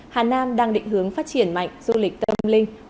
hà nam đang định hướng phát triển mạnh du lịch tâm linh